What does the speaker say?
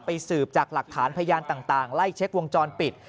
สืบจากหลักฐานพยานต่างไล่เช็ควงจรปิด